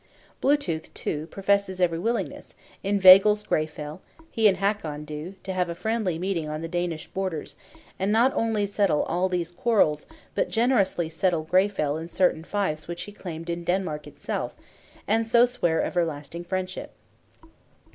Blue tooth, too, professes every willingness; inveigles Greyfell, he and Hakon do; to have a friendly meeting on the Danish borders, and not only settle all these quarrels, but generously settle Greyfell in certain fiefs which he claimed in Denmark itself; and so swear everlasting friendship.